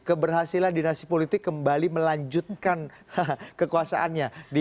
keberhasilan dinasti politik kembali melanjutkan kekuasaannya